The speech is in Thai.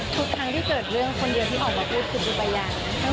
ทุกครั้งที่เกิดเรื่องคนเดียวที่ออกมาพูดคือปูปรายยากัน